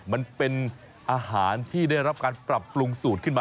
มันเป็นอาหารที่ได้รับการปรับปรุงสูตรขึ้นมา